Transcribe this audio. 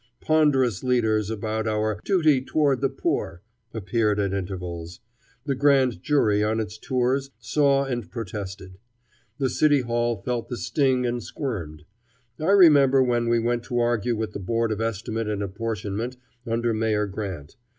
Ponderous leaders about our "duty toward the poor" appeared at intervals. The Grand Jury on its tours saw and protested. The City Hall felt the sting and squirmed. I remember when we went to argue with the Board of Estimate and Apportionment under Mayor Grant.